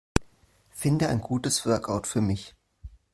Finde ein gutes Workout für mich.